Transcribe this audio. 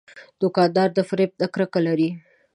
دوکاندار د فریب نه کرکه لري.